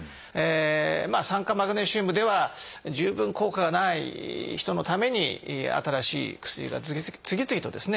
酸化マグネシウムでは十分効果がない人のために新しい薬が次々とですね